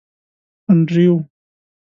انډریو.